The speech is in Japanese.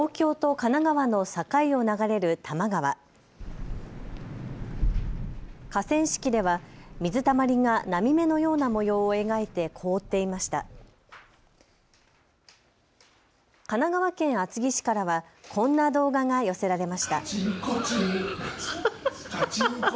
神奈川県厚木市からはこんな動画が寄せられました。